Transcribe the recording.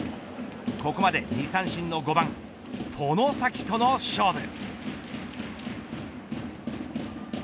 ここまで２三振の５番外崎との勝負。